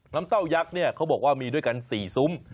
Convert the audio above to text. น้ำเต้ายักษ์เขาบอกว่ามีด้วยกัน๔ซุ้ม